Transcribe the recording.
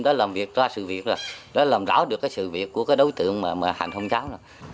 đã làm việc đã xử việc rồi đã làm rõ được cái sự việc của cái đối tượng mà hành hôn cháu rồi